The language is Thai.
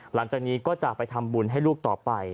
หลังจากนี้ก็จะไปทำบุญให้ลูกต่อไป